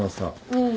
うん